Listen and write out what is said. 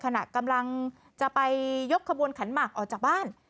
ขณะกำลังจะไปยกขบวนขันหมากออกจากบ้าน